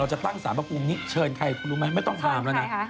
เราจะตั้งสามภูมิเชิญใครคุณรู้ไหมไม่ต้องถามแล้วนะ